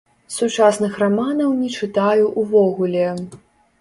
Сучасных раманаў не чытаю ўвогуле.